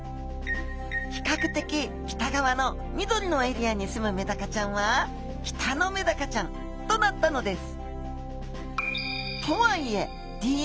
比較的北側の緑のエリアにすむメダカちゃんはキタノメダカちゃんとなったのです。